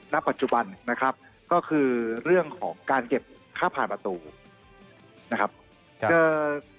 ณปัจจุบันนะครับก็คือเรื่องของการเก็บค่าผ่านประตูนะครับ